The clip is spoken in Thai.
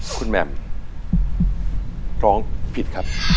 คุณแหม่มร้องผิดครับ